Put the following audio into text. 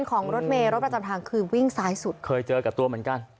บางประจำทางคือวิ่งซ้ายสุดเคยเจอกับตัวเหมือนกัน